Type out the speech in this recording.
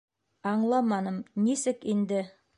Аңламаным: нисек инде...